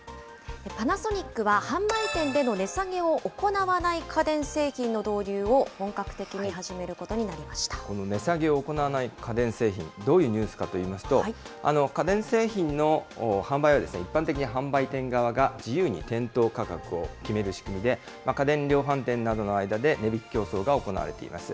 パナソニックは販売店での値下げを行わない家電製品の導入を本格この値下げを行わない家電製品、どういうニュースかといいますと、家電製品の販売は一般的に販売店側が自由に店頭価格を決める仕組みで、家電量販店などの間で値引き競争が行われています。